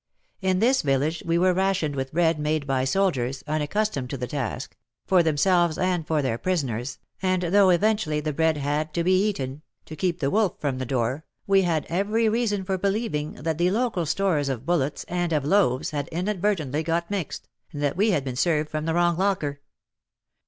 In this village we were rationed with bread made by soldiers — unaccustomed to the task — for themselves and for their prisoners, and though eventually the bread had to be eaten, to keep the wolf from the door, we had every reason for believing that the local stores of bullets and of loaves had inadvertently got mixed, and that we had been served from the wrong locker.